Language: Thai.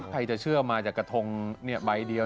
ใครจะเชื่อมาจากกระทงใบเดียว